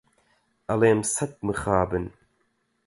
ئەڵێم سەد مخابن